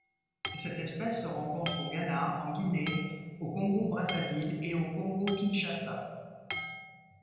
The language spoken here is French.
Cette espèce se rencontre au Ghana, en Guinée, au Congo-Brazzaville et au Congo-Kinshasa.